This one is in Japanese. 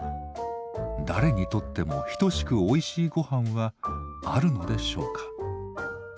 誰にとっても等しくおいしいごはんはあるのでしょうか？